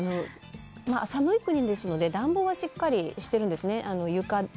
寒い国ですので暖房はしっかりしてるんですね。